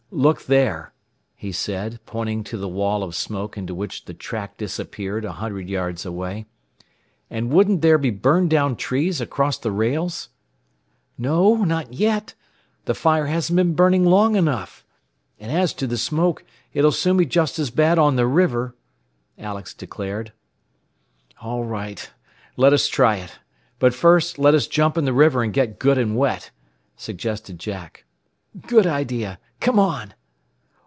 "Look there," he said, pointing to the wall of smoke into which the track disappeared a hundred yards away. "And wouldn't there be burned down trees across the rails?" "No; not yet. The fire hasn't been burning long enough. And as to the smoke, it'll soon be just as bad on the river," Alex declared. "All right. Let us try it. But first, let us jump in the river and get good and wet," suggested Jack. "Good idea! Come on!